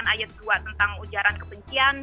ayat dua tentang ujaran kebencian